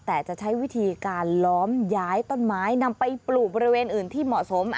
แต่จะใช้วิธีการล้อมย้ายต้นไม้นำไปปลูกบริเวณอื่นที่เหมาะสม